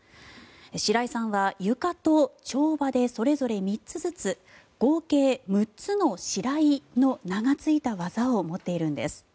白井さんはゆかと跳馬でそれぞれ３つずつ合計６つの「シライ」の名がついた技を持っているんです。